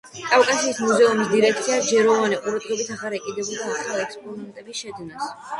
კავკასიის მუზეუმის დირექცია ჯეროვანი ყურადღებით აღარ ეკიდებოდა ახალ ექსპონატების შეძენას.